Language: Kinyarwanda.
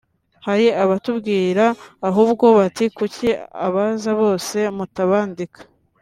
hari abatubwira ahubwo bati ‘kuki abaza bose mutabandika